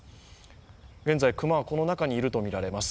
現在、熊は、この中にいるとみられます。